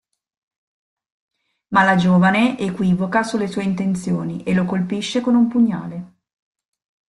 Ma la giovane equivoca sulle sue intenzioni e lo colpisce con un pugnale.